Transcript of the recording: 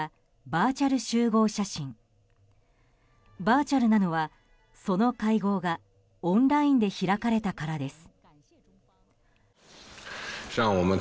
バーチャルなのはその会合がオンラインで開かれたからです。